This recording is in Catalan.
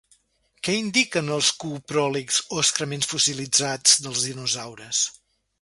Què indiquen els copròlits o excrements fossilitzats dels dinosaures?